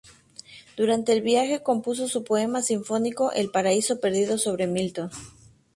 Durante el viaje compuso su poema sinfónico El paraíso perdido sobre Milton.